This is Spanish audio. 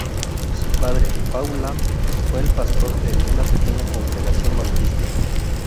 Su padre, Paul Lamb, fue el pastor de una pequeña congregación bautista.